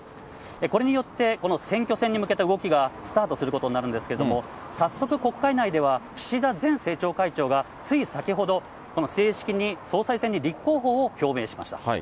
これによって、この選挙戦に向けた動きがスタートすることになるんですけれども、早速、国会内では岸田前政調会長がつい先ほど、正式に総裁選に立候補を表明しました。